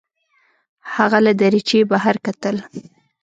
هغه له دریچې بهر کتل.